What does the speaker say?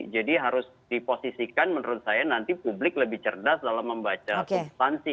jadi harus diposisikan menurut saya nanti publik lebih cerdas dalam membaca substansi